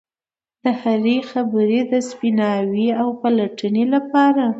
د هرې خبرې د سپیناوي او پلټنې لپاره.